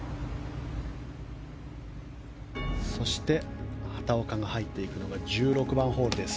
そして、畑岡が入っていくのが１６番ホールです。